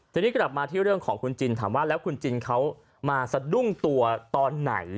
ทีนี้กลับมาที่เรื่องของคุณจินถามว่าแล้วคุณจินเขามาสะดุ้งตัวตอนไหน